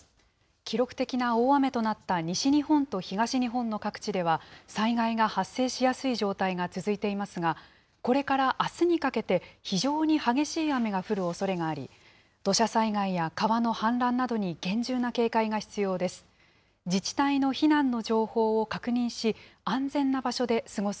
記録的な大雨となった西日本と東日本の各地では、災害が発生しやすい状態が続いていますが、これからあすにかけて、非常に激しい雨が降るおそれがあり、土砂災害や川の氾濫などに厳重な警戒が必要です。